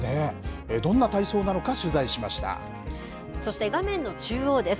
どんな体操なのか、そして画面の中央です。